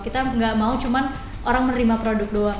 kita nggak mau cuma orang menerima produk doang